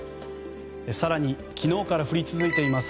更に、昨日から降り続いています